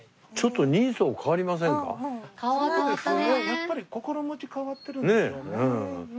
やっぱり心持ち変わってるんですよね。